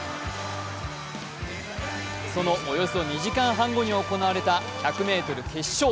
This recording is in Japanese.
そのおよそ２時間半後に行われた１００ｍ決勝。